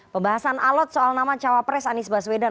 pembahasan alot soal nama cawapres anies baswedan